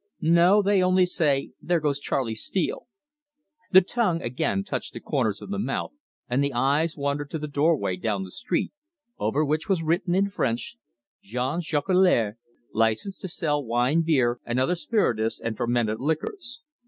"No. They only say, 'There goes Charley Steele!'" The tongue again touched the corners of the mouth, and the eyes wandered to the doorway down the street, over which was written in French: "Jean Jolicoeur, Licensed to sell wine, beer, and other spirituous and fermented liquors."